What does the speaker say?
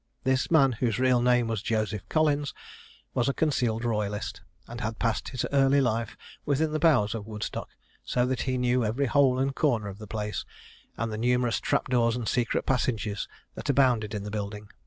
This man whose real name was Joseph Collins, was a concealed royalist, and had passed his early life within the bowers of Woodstock; so that he knew every hole and corner of the place, and the numerous trap doors and secret passages that abounded in the building.